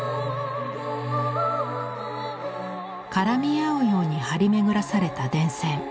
絡み合うように張り巡らされた電線。